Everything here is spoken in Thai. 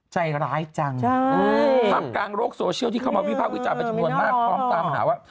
ใจร้ายจังท่ามกลางโลกโซเชียลที่เข้ามาวิภาควิจารณเป็นจำนวนมากพร้อมตามหาว่า